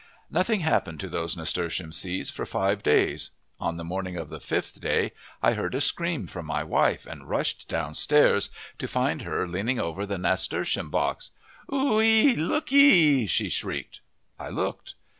Nothing happened to those nasturtium seeds for five days. On the morning of the fifth day I heard a scream from my wife and rushed downstairs, to find her leaning over the nasturtium box. "Oooooeeee! Lookee!" she shrieked. I looked.